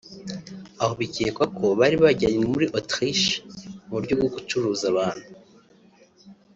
aho bikekwa ko bari bajyanywe muri Autriche mu buryo bwo gucuruza abantu